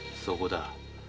そこだ。